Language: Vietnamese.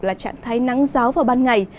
là trạng thái nắng ráo vào ban ngày